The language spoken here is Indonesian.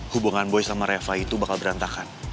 hubungan boy sama reva itu bakal berantakan